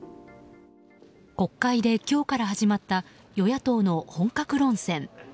国会で今日から始まった与野党の本格論戦。